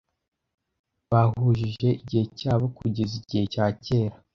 bahujije igihe cyabo kugeza igihe cyakera